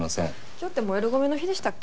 今日って燃えるゴミの日でしたっけ？